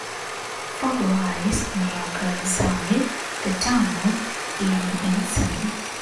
Fog or ice may occur inside the tunnel, even in summer.